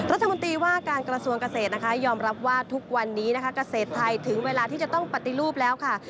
รัฐมนตรีว่าการกระทรวงเกษตรนะคะยอมรับว่าทุกวันนี้นะคะเกษตรไทยถึงเวลาที่จะต้องปฏิรูปแล้วค่ะ